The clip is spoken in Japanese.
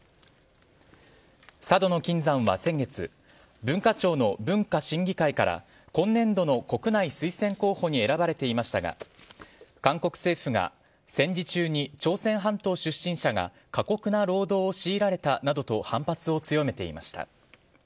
佐渡島の金山は先月文化庁の文化審議会から今年度の国内推薦候補に選ばれていましたが韓国政府が戦時中に朝鮮半島出身者が過酷な労働を強いられたなどと反発を強めていました。